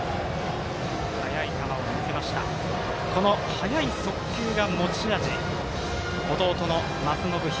速い速球が持ち味の弟の松延響。